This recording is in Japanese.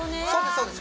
そうです